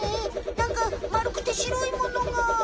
なんかまるくてしろいものが。